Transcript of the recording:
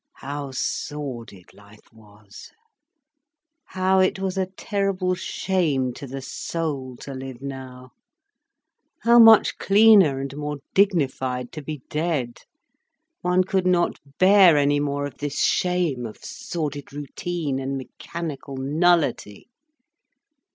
How sordid life was, how it was a terrible shame to the soul, to live now! How much cleaner and more dignified to be dead! One could not bear any more of this shame of sordid routine and mechanical nullity.